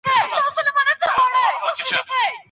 د سړي سر عاید د زیاتوالي لپاره نوي فرصتونه پیدا کړئ.